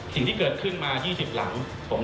สิ่งที่เกิดขึ้นมา๒๐หลัง